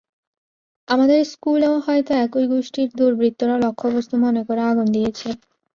আমাদের স্কুলও হয়তো একই গোষ্ঠীর দুর্বৃত্তরা লক্ষ্যবস্তু মনে করে আগুন দিয়েছে।